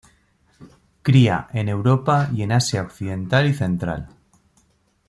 Cría en Europa y en Asia occidental y central.